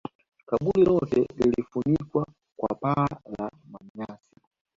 kaburi lote lilifunikwa kwa paa la manyasi